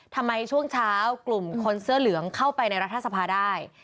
ช่วงเช้ากลุ่มคนเสื้อเหลืองเข้าไปในรัฐสภาได้